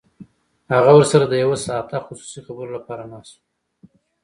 هغه ورسره د یو ساعته خصوصي خبرو لپاره ناست و